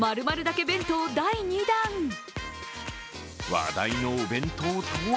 話題のお弁当とは？